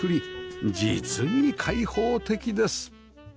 実に開放的です